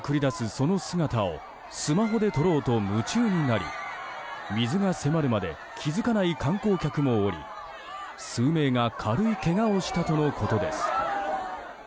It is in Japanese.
その姿をスマホで撮ろうと夢中になり水が迫るまで気づかない観光客もおり数名が軽いけがをしたとのことです。